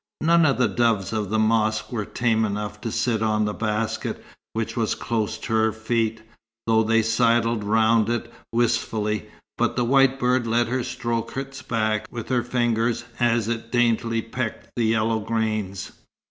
None of the doves of the mosque were tame enough to sit on the basket, which was close to her feet, though they sidled round it wistfully; but the white bird let her stroke its back with her fingers as it daintily pecked the yellow grains.